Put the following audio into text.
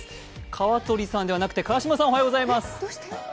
川鳥さんじゃなくて、川島さん、おはようございます。